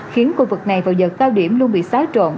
khiến khu vực này vào giờ cao điểm luôn bị xáo trộn